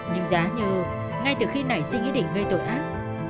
nhưng giá như ngay từ khi nảy sinh ý định gây tội ác